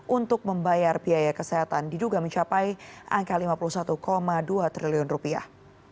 untuk membayar biaya kesehatan diduga mencapai angka lima puluh satu dua triliun rupiah